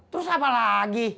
terus apa lagi